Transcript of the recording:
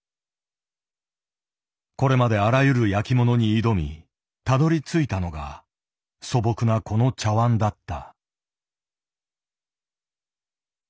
これまであらゆる焼きものに挑みたどりついたのが素朴なこの茶碗だった。